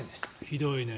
ひどいね。